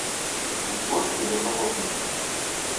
Yettwabeddel usaḍuf-nni.